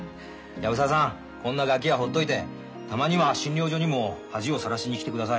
藪沢さんこんなガキはほっといてたまには診療所にも恥をさらしに来てください。